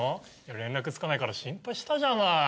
連絡つかないから心配したじゃない。